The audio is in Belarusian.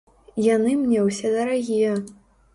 Яны мне ўсе дарагія.